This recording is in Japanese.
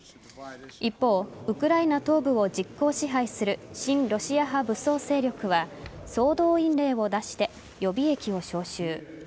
一方、ウクライナ東部を実効支配する親ロシア派武装勢力は総動員令を出して予備役を招集。